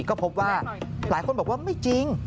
ก็พบว่าหลายคนบอกว่าไม่จริง